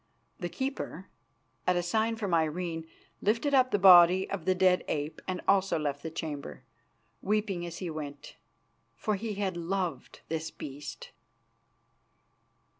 The keeper, at a sign from Irene, lifted up the body of the dead ape and also left the chamber, weeping as he went, for he had loved this beast.